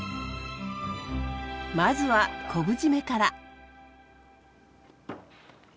まずは昆布締めから。